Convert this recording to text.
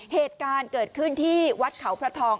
เหตุการณ์เกิดขึ้นที่วัดเขาพระทอง